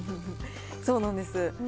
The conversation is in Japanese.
そうなんです。